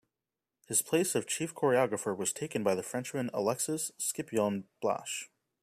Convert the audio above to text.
His place of chief choreographer was taken by the Frenchman Alexis-Scipion Blache.